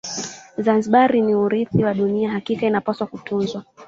zanzibar ni urithi wa dunia hakika inapaswa kutunzwa